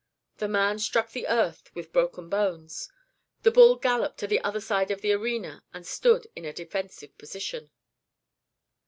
The man struck the earth with broken bones; the bull galloped to the other side of the arena and stood in a defensive position.